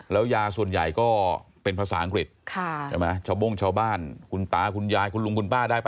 แล้วยาส่วนใหญ่ก็เป็นภาษาอังกฤษใช่ไหมชาวโบ้งชาวบ้านคุณตาคุณยายคุณลุงคุณป้าได้ป